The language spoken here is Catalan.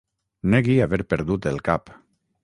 Negui haver perdut el cap.